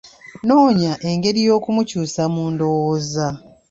Noonya engeri y'okumukyusa mu ndowooza.